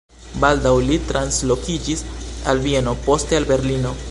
Baldaŭ li translokiĝis al Vieno, poste al Berlino.